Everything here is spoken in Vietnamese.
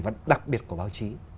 và đặc biệt của báo chí